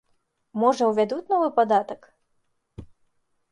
Можа, увядуць новы падатак?